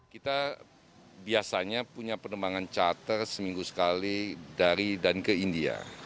kita biasanya punya penerbangan charter seminggu sekali dari dan ke india